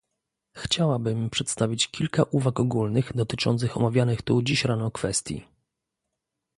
Chciałabym przedstawić kilka uwag ogólnych dotyczących omawianych tu dziś rano kwestii